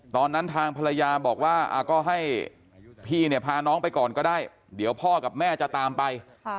ทางภรรยาบอกว่าก็ให้พี่เนี่ยพาน้องไปก่อนก็ได้เดี๋ยวพ่อกับแม่จะตามไป